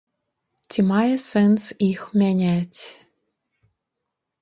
Ці мае сэнс іх мяняць?